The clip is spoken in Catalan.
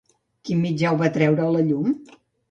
Quin mitjà ho va treure a la llum?